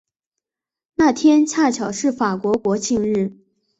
那天恰巧是法国国庆日。